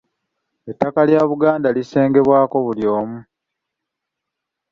Ettaka lya Buganda lisengebwako buli omu.